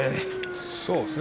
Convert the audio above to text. そうですね